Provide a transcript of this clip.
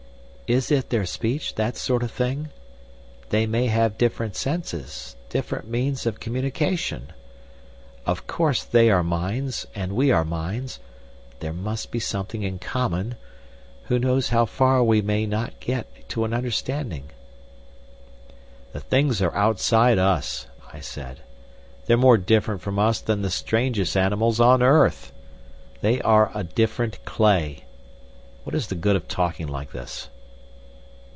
Is it their speech, that sort of thing? They may have different senses, different means of communication. Of course they are minds and we are minds; there must be something in common. Who knows how far we may not get to an understanding?" "The things are outside us," I said. "They're more different from us than the strangest animals on earth. They are a different clay. What is the good of talking like this?"